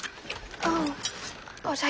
ああ。